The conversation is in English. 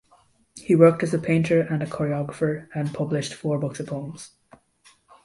He worked as a painter and a choreographer, and published four books of poems.